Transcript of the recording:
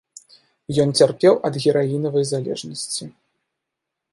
Ён цярпеў ад гераінавай залежнасці.